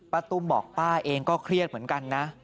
ตุ้มบอกป้าเองก็เครียดเหมือนกันนะ